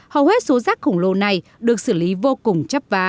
hầu hết số rác khổng lồ này được xử lý vô cùng